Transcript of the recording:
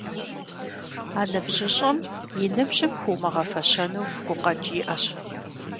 А ныбжьыщӀэм и ныбжьым хуумыгъэфэщэну гукъэкӀ иӀэщ.